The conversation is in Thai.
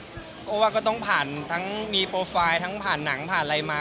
เพราะว่าก็ต้องผ่านทั้งมีโปรไฟล์ทั้งผ่านหนังผ่านอะไรมา